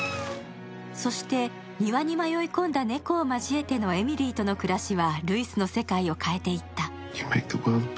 そして庭に迷い込んだ猫を交えてのエミリーとの暮らしはルイスの世界を変えていった。